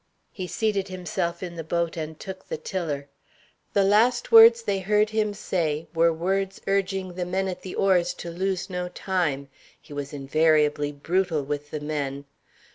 He seated himself in the boat and took the tiller. The last words they heard him say were words urging the men at the oars to lose no time. He was invariably brutal with the men.